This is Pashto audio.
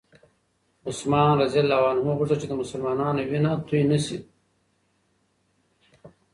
عثمان رض غوښتل چې د مسلمانانو وینه توی نه شي.